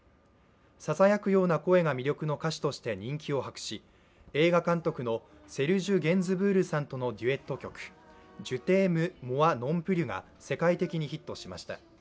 ささやくような声が魅力の歌手として歌手として人気を博し映画監督のセルジュ・ゲンズブールさんのデュエット曲「ジュ・テーム・モワ・ノン・プリュ」が世界的にヒットしました。